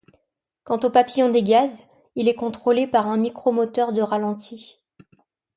Quant au papillon des gaz, il est contrôlé par un micromoteur de ralenti.